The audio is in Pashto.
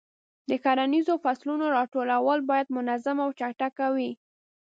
د کرنیزو فصلونو راټولونه باید منظمه او چټکه وي.